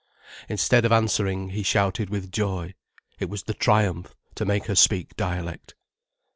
Instead of answering he shouted with joy. It was the triumph, to make her speak dialect.